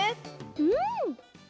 うん！